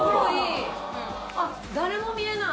あっ誰も見えない。